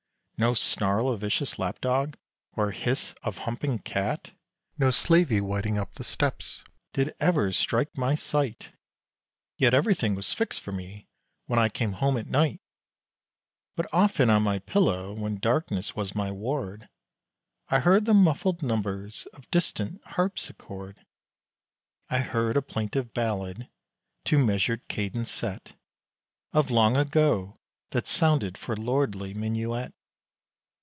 No snarl of vicious lap dog, or hiss of humping cat! No slavey whiting up the steps, did ever strike my sight! Yet everything was fixed for me, when I came home at night! But often on my pillow, when darkness was my ward, I heard the muffled numbers of distant harpsichord! I heard a plaintive ballad, to measured cadence set, Of long ago, that sounded for lordly minuet!